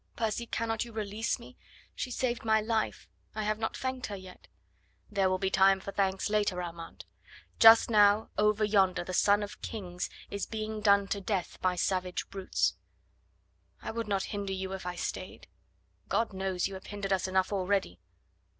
"Percy, cannot you release me? She saved my life. I have not thanked her yet." "There will be time for thanks later, Armand. Just now over yonder the son of kings is being done to death by savage brutes." "I would not hinder you if I stayed." "God knows you have hindered us enough already."